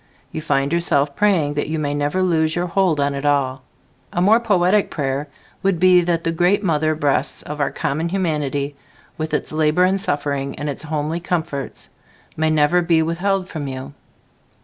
You find yourself praying that you may never lose your hold on it all. A more poetic prayer would be that the great mother breasts of our common humanity, with its labor and suffering and its homely comforts, may never be withheld from you.